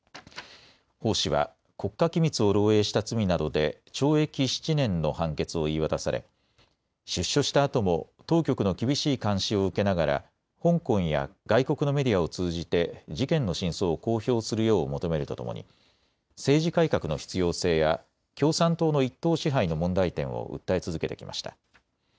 鮑氏は国家機密を漏えいした罪などで懲役７年の判決を言い渡され出所したあとも当局の厳しい監視を受けながら香港や外国のメディアを通じて事件の真相を公表するよう求めるとともに、政治改革の必要性や共産党の一党支配の問題点を訴え続けてきました。